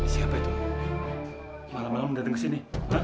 siapa itu malam malam datang ke sini